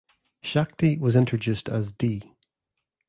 Shakti was introduced as 'D.